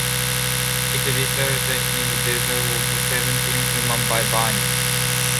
It resulted in the death of seventeen women by burning.